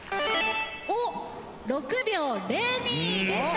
おっ６秒０２でした。